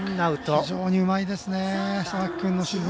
非常にうまいですね佐脇君の守備。